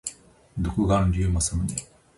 独眼竜政宗